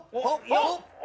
よっ！